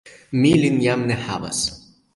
Mi lin jam ne havas!